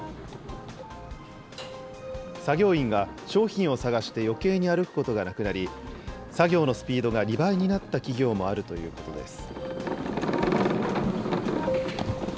作業員が商品を探して、よけいに歩くことがなくなり、作業のスピードが２倍になった企業もあるということです。